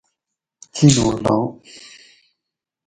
کینو لام